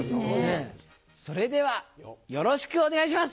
それではよろしくお願いします。